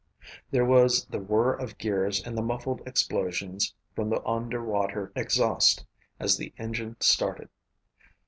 There was the whirr of gears and the muffled explosions from the underwater exhaust as the engine started.